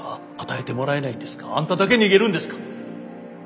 あんただけ逃げるんですか。